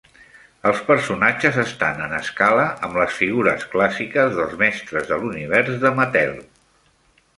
Els personatges estan en escala amb les figures clàssiques dels mestres de l'univers de Mattel.